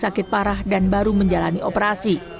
sakit parah dan baru menjalani operasi